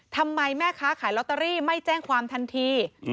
ทำไมแม่ค้าขายลอตเตอรี่ไม่แจ้งความทันที